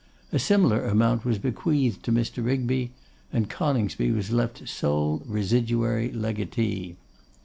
A similar amount was bequeathed to Mr. Rigby; and Coningsby was left sole residuary legatee.